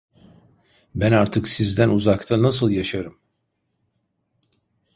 Ben artık sizden uzakta nasıl yaşarım?